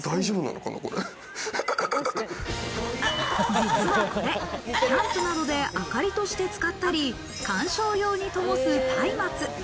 実はこれ、キャンプなどで明かりとして使ったり観賞用に灯すタイマツ。